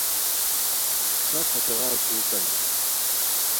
سف ہتیغار ٹھورتانی